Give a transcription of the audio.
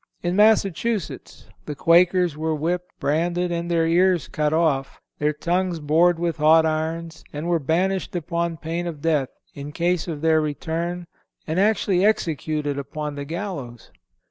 In Massachusetts "the Quakers were whipped, branded, had their ears cut off, their tongues bored with hot irons, and were banished upon pain of death in case of their return and actually executed upon the gallows."